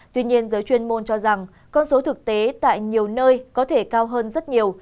tuy nhiên giới chuyên môn cho rằng con số thực tế tại nhiều nơi có thể cao hơn rất nhiều